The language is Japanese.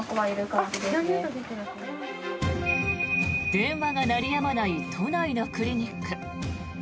電話が鳴りやまない都内のクリニック。